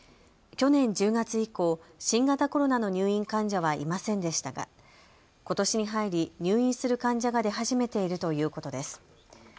去年１０月以降、新型コロナの入院患者はいませんでしたがことしに入り、入院する患者が出始めているということです。